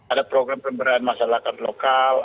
ada program pemberdayaan masyarakat lokal